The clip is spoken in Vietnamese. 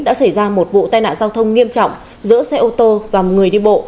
đã xảy ra một vụ tai nạn giao thông nghiêm trọng giữa xe ô tô và người đi bộ